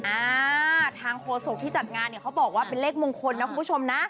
อ่าทางโฆษกที่จัดงานเนี่ยเขาบอกว่าเป็นเลขมงคลนะคุณผู้ชมนะ